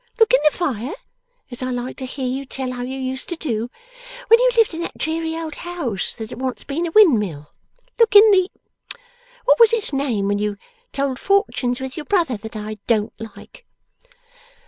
Look in the fire, as I like to hear you tell how you used to do when you lived in that dreary old house that had once been a windmill. Look in the what was its name when you told fortunes with your brother that I DON'T like?